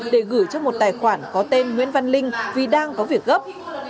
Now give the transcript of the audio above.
để gửi cho một tài khoản có tên nguyễn văn linh vì đang có việc gấp